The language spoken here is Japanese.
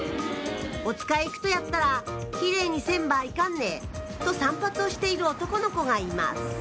「おつかい行くとやったらキレイにせんばいかんね」と散髪をしている男の子がいます